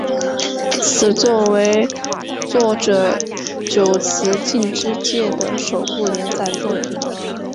此作为作者久慈进之介的首部连载作品。